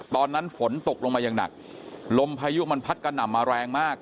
ตอนนั้นฝนตกลงมาอย่างหนักลมพายุมันพัดกระหน่ำมาแรงมาก